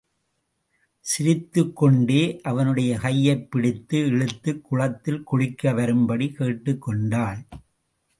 சிரித்துக்கொண்டே, அவனுடைய கையைப்பிடித்து இழுத்துக் குளத்தில் குளிக்க வரும்படி கேட்டுக் கொண்டாள்.